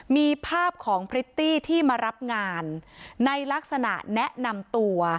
มีภาพของพริตตี้ที่มารับงานในลักษณะแนะนำตัว